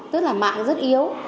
tức là mạng rất yếu